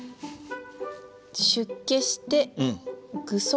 「出家して具足戒」？